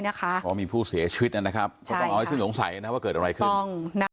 เพราะมีผู้เสียชีวิตนะครับก็ต้องเอาให้ซึ่งหงสัยว่าเกิดอะไรขึ้น